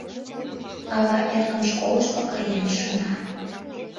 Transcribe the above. Ава эргым школышко каен, шона.